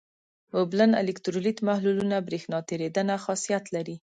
اوبلن الکترولیت محلولونه برېښنا تیریدنه خاصیت لري.